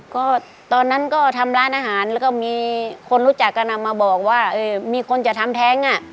ก็ตอนนั้นก็ทำร้านอาหารแล้วก็มีคนรู้จักกันมาบอกว่ามีคนจะทำแท้งอ่ะ